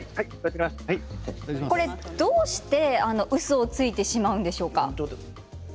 どうしてうそをついてしまうんですか？